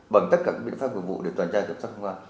bằng tất cả các biện pháp nhiệm vụ để toàn trai kiểm soát không khăn